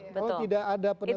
kalau tidak ada penetapan cara